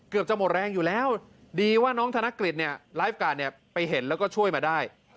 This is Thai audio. จะหมดแรงอยู่แล้วดีว่าน้องธนกฤษเนี่ยไลฟ์การ์ดเนี่ยไปเห็นแล้วก็ช่วยมาได้